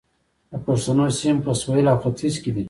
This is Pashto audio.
د پښتنو سیمې په سویل او ختیځ کې دي